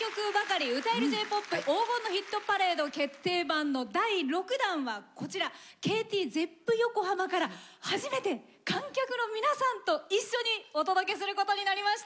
Ｊ−ＰＯＰ黄金のヒットパレード決定版！」の第６弾はこちらＫＴＺｅｐｐＹｏｋｏｈａｍａから初めて観客の皆さんと一緒にお届けすることになりました。